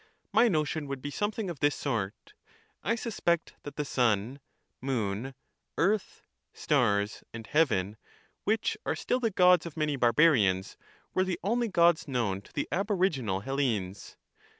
My notion would be something of this sort: — I sus The Gods pect that the sun, moon, earth, stars, and heaven, which are were origi still the Gods of many barbarians, were the only Gods known "he^tlrs^ to the aboriginal Hellenes.